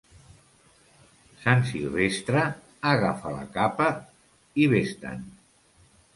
Sant Silvestre, agafa la capa i vés-te'n.